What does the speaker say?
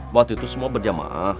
waktu itu semua berjamaah